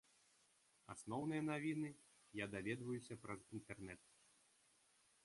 Асноўныя навіны я даведваюся праз інтэрнэт.